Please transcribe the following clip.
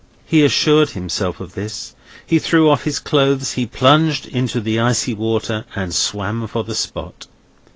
He assured himself of this, he threw off his clothes, he plunged into the icy water, and swam for the spot.